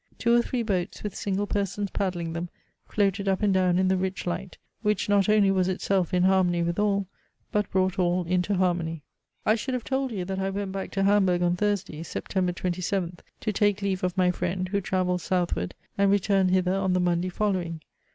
Two or three boats, with single persons paddling them, floated up and down in the rich light, which not only was itself in harmony with all, but brought all into harmony. I should have told you that I went back to Hamburg on Thursday (Sept. 27th) to take leave of my friend, who travels southward, and returned hither on the Monday following.